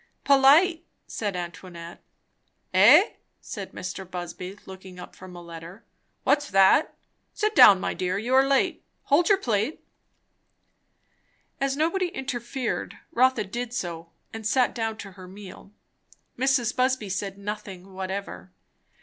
"Polite " said Antoinette. "Eh?" said Mr. Busby looking up from a letter, "what's that? Sit down, my dear, you are late. Hold your plate " As nobody interfered, Rotha did so and sat down to her meal. Mrs. Busby said nothing whatever.